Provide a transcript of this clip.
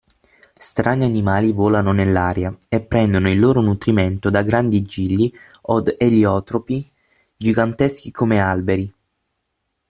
Strani animali volano nell'aria, e prendono il loro nutrimento da grandi gigli od eliotropi, giganteschi come alberi.